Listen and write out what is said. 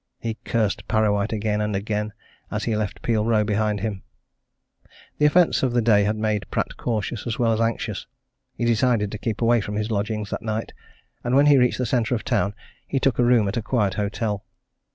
He cursed Parrawhite again and again as he left Peel Row behind him. The events of the day had made Pratt cautious as well as anxious. He decided to keep away from his lodgings that night, and when he reached the centre of the town he took a room at a quiet hotel.